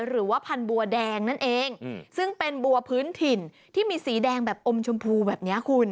หรือว่าพันธบัวแดงนั่นเองซึ่งเป็นบัวพื้นถิ่นที่มีสีแดงแบบอมชมพูแบบนี้คุณ